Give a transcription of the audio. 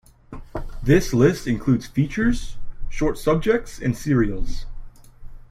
The list includes features, short subjects and serials.